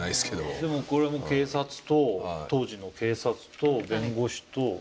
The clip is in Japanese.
でもこれも警察と当時の警察と弁護士とあと新聞記者。